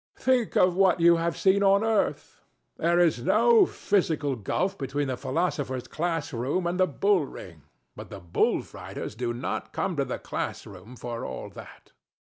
Think of what you have seen on earth. There is no physical gulf between the philosopher's class room and the bull ring; but the bull fighters do not come to the class room for all that.